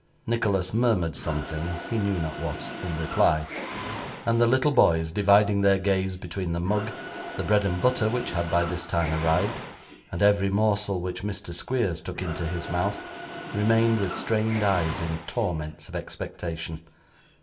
Nicholas murmured something he knew not what in reply; and the little boys, dividing their gaze between the mug, the bread and butter (which had by this time arrived), and every morsel which Mr. Squeers took into his mouth, remained with strained eyes in torments of expectation.